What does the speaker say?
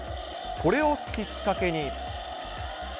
これをきっかけに。